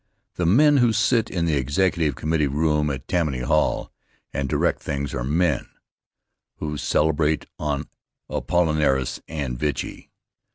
The men who sit in the executive committee room at Tammany Hall and direct things are men who celebrate on apollinaris or vichy.